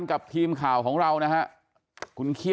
สวัสดีคุณผู้ชายสวัสดีคุณผู้ชาย